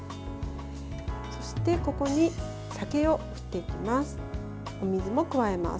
そして、ここに酒を振っていきます。